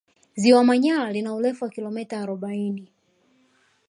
Ziwa Manyara lina urefu wa kilomita arobaini